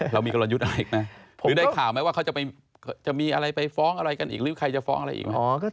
เรามีกลยุทธ์อะไรอีกไหมหรือได้ข่าวไหมว่าเขาจะมีอะไรไปฟ้องอะไรกันอีกหรือใครจะฟ้องอะไรอีกไหม